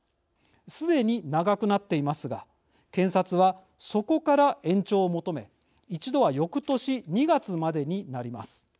すでに長くなっていますが検察は、そこから延長を求め一度は翌年２月までになります。